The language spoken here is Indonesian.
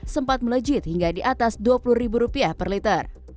sempat melejit hingga di atas rp dua puluh per liter